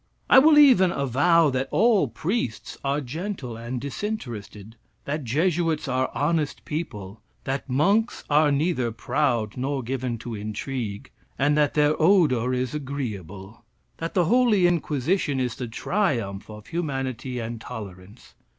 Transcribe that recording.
I will even avow that all priests are gentle and disinterested; that Jesuits are honest people; that monks are neither proud nor given to intrigue, and that their odor is agreeable; that the Holy Inquisition is the triumph of humanity and tolerance.